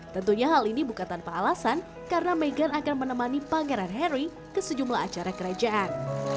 tentunya hal ini bukan tanpa alasan karena meghan akan menemani pangeran harry ke sejumlah acara kerajaan